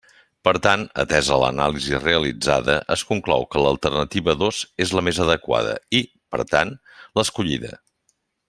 Per tant, atesa l'anàlisi realitzada, es conclou que l'alternativa dos és la més adequada, i, per tant, l'escollida.